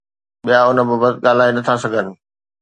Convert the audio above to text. ٻيا ان بابت ڳالهائي نٿا سگهن.